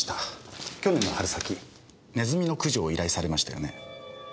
去年の春先ネズミの駆除を依頼されましたよね？